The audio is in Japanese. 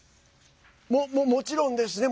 もちろんですね。